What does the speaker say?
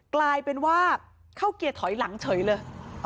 กลายเป็นว่าเข้าเกียร์ถอยหลังเฉยเลย